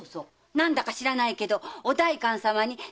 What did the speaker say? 何だか知らないけどお代官様に捕まったんだって。